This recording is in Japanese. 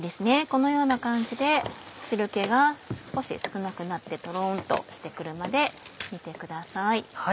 このような感じで汁気が少し少なくなってトロンとして来るまで煮てください。